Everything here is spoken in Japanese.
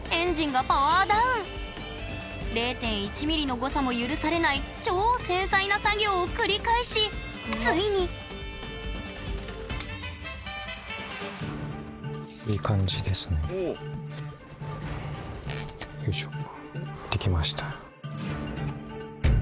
０．１ｍｍの誤差も許されない超繊細な作業を繰り返しついによいしょ。